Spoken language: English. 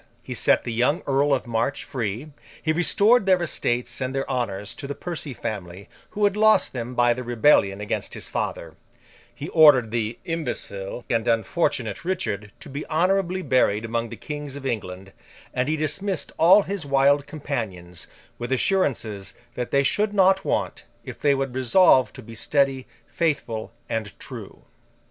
He set the young Earl of March free; he restored their estates and their honours to the Percy family, who had lost them by their rebellion against his father; he ordered the imbecile and unfortunate Richard to be honourably buried among the Kings of England; and he dismissed all his wild companions, with assurances that they should not want, if they would resolve to be steady, faithful, and true.